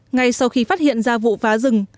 ngay sau khi phát hiện ra vụ phá rừng